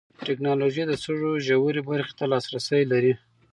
ټېکنالوژي د سږو ژورې برخې ته لاسرسی لري.